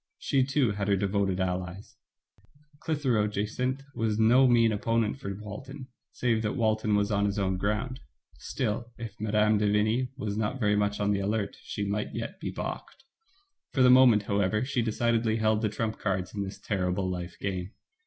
She, too, had her devoted allies ; Clitheroe Jacynth was no mean opponent for Walton, save that Walton was on his own ground. Still, if Mme. de Vigny was not very much on the alert she might yet be balked. For the moment, however, she decidedly held the trump cards in this terrible life game.